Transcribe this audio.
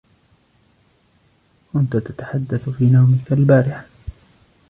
كنت تتحدث في نومك البارحة.